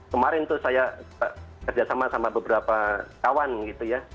kemarin tuh saya kerjasama sama beberapa kawan gitu ya